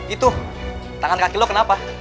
itu tangan kaki lo kenapa